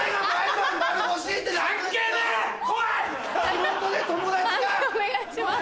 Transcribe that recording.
判定お願いします。